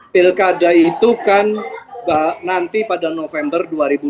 pilkada itu kan nanti pada november dua ribu dua puluh